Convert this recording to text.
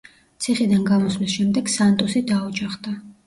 ციხიდან გამოსვლის შემდეგ სანტუსი დაოჯახდა.